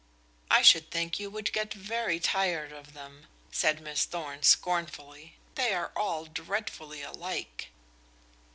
"I should think you would get very tired of them," said Miss Thorn scornfully. "They are all dreadfully alike."